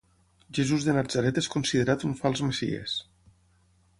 Jesús de Natzaret és considerat un fals messies.